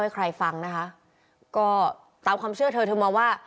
ถ้าให้ใครฟังนะฮะก็ตามความเชื่อเธอทึ่งมาว่า